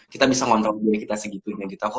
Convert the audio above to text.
kita bisa ngontrol diri kita segitu gitu